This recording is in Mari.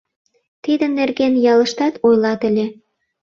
Тидын нерген ялыштат ойлат ыле.